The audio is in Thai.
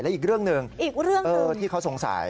และอีกเรื่องหนึ่งที่เขาสงสัย